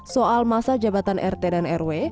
soal masa jabatan rt dan rw